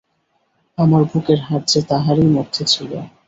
আমার বুকের হাড় যে তাহারই মধ্যে ছিল।